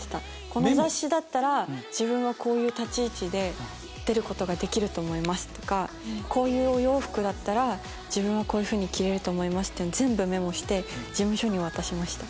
この雑誌だったら自分はこういう立ち位置で出ることができると思いますとかこういうお洋服だったら自分はこう着れると思いますって全部メモして事務所に渡しました。